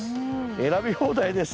選び放題です